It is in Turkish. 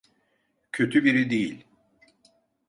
Kötü biri değil.